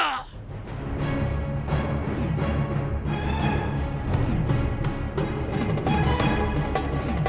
aku akan mencari siapa saja yang bisa membantu kamu